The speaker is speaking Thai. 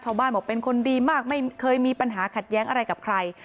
บอกเป็นคนดีมากไม่เคยมีปัญหาขัดแย้งอะไรกับใคร